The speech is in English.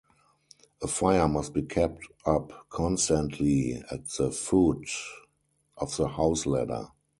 A fire must be kept up constantly at the foot of the house-ladder.